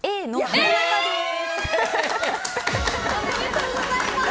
おめでとうございます！